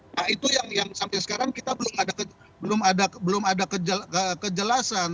nah itu yang sampai sekarang kita belum ada kejelasan